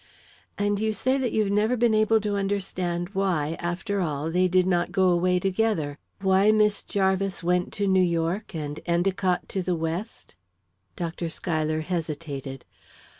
"And you say that you've never been able to understand why, after all, they did not go away together why Miss Jarvis went to New York and Endicott to the West?" Dr. Schuyler hesitated.